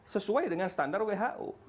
sesuai dengan standar who